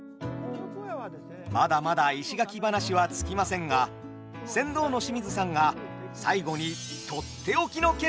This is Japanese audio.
まだまだ石垣話は尽きませんが船頭の清水さんが最後にとっておきの景色を見せてくださいました。